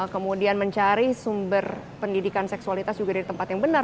kemudian mencari sumber pendidikan seksualitas juga dari tempat yang benar